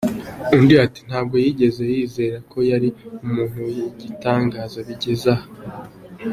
Undi ati “Ntabwo yigeze yizera ko yari umuntu w’igitangaza bigeze aha.